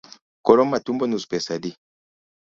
Koro matumbo nus to pesa adi?